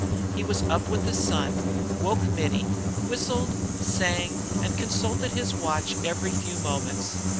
He was up with the sun, woke Mittie, whistled, sang, and consulted his watch every few moments.